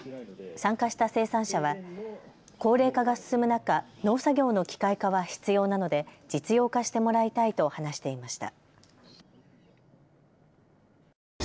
参加した生産者は高齢化が進む中、農作業の機械化は必要なので実用化してもらいたいと話していました。